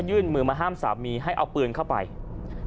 ยืนมือให้ห้ามว่าสามีจะที่นั่งเอาปืน